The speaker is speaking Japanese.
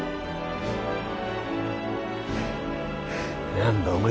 何だお前